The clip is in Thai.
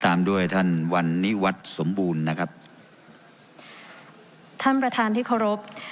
ตามด้วยท่านวันนิวัฒน์สมบูรณ์นะครับท่านประธานที่เคารพ